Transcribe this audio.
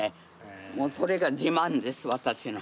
もうそれが自慢です私の。